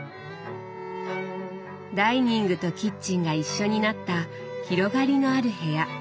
ダイニングとキッチンが一緒になった広がりのある部屋。